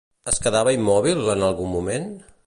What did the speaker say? Es quedava immòbil, en algun moment?